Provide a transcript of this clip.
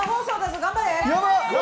頑張れ。